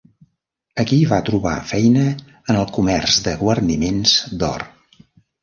Aquí va trobar feina en el comerç de guarniments d'or.